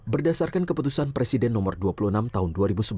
berdasarkan keputusan presiden nomor dua puluh enam tahun dua ribu sebelas